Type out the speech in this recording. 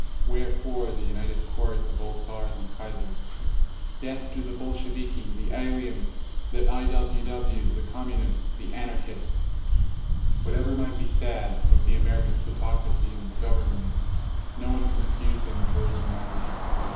Wherefore the united chorus of all Czars and Kaisers, "Death to the Bolsheviki, the aliens, the I. W. Ws., the Communists, the Anarchists !" 16 Whatever might be said of the American plutocracy and the Government, no one can accuse them of originality.